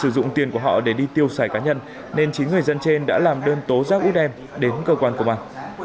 dùng tiền của họ để đi tiêu xài cá nhân nên chín người dân trên đã làm đơn tố giác út em đến cơ quan công an